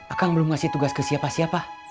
akan belum ngasih tugas ke siapa siapa